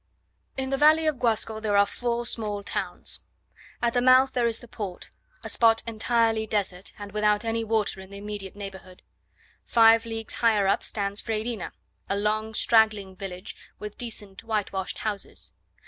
In the valley of Guasco there are four small towns. At the mouth there is the port, a spot entirely desert, and without any water in the immediate neighbourhood. Five leagues higher up stands Freyrina, a long straggling village, with decent whitewashed houses.